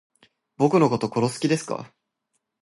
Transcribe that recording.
僕のこと殺す気ですか